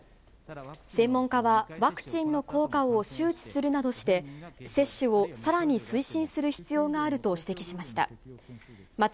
専門家は、ワクチンの効果を周知するなどして、接種をさらに推進する必要があると指摘しました。